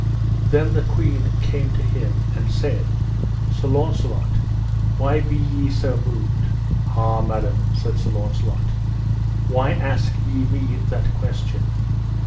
Then the queen came to him and said: Sir Launcelot, why be ye so moved? Ha, madam, said Sir Launcelot, why ask ye me that question?